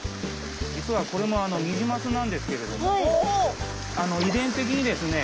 実はこれもニジマスなんですけれども遺伝的にですね